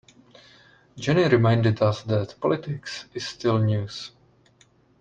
Jenny reminded us that politics is still news.